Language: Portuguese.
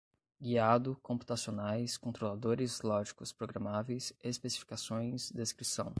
Guiado, computacionais, controladores lógicos programáveis, especificações, descrição